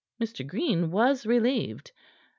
Mr. Green was relieved. Mr.